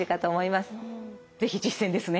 是非実践ですね。